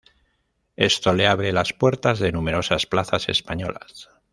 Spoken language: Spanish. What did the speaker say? Esto le abre las puertas de numerosas plazas españolas.